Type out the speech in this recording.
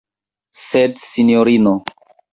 Sed, sinjorino.